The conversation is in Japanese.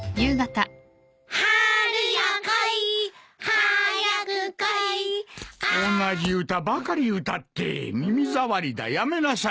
「春よ来い早く来い」同じ歌ばかり歌って耳障りだやめなさい。